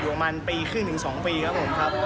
ประมาณปีครึ่งถึง๒ปีครับผมครับ